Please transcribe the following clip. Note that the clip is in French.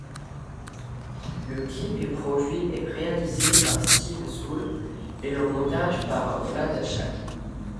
Le clip est produit et réalisé par Steeve Zuul et le montage par VladShag.